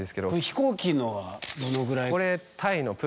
飛行機のはどのぐらい？